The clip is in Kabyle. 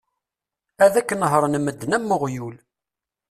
Ad k-nehren medden am uɣyul